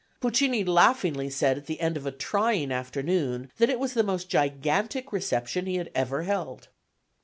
Puccini laughingly said at the end of a trying afternoon that it was the most gigantic reception he had ever held.